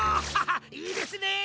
いいですね！